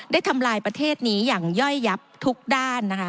ทำลายประเทศนี้อย่างย่อยยับทุกด้านนะคะ